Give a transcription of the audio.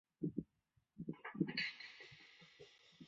线叶蓟是菊科蓟属的植物。